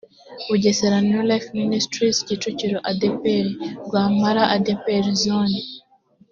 bugesera new life ministries kicukiro adepr rwampara adepr zone